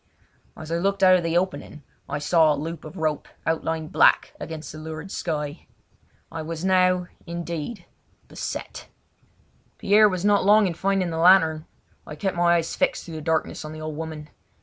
As I looked out of the opening I saw the loop of a rope outlined black against the lurid sky. I was now, indeed, beset! Pierre was not long in finding the lantern. I kept my eyes fixed through the darkness on the old woman.